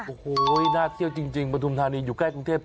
โอ้โหน่าเที่ยวจริงปฐุมธานีอยู่ใกล้กรุงเทพ